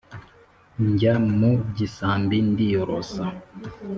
njya mu gisambi ndiyorosa